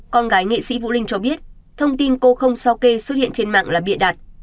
con gái nghệ sĩ vũ linh cho biết thông tin cô không sao kê xuất hiện trên mạng là bịa đặt